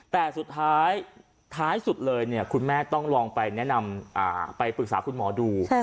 แต่สุดท้ายท้ายสุดเลยคุณแม่ต้องลองไปแนะนำไปปรึกษาคุณหมอดู